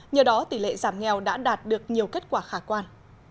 nhờ đó tỷ lệ giảm nghèo đã đạt được nhiều kết quả khả quan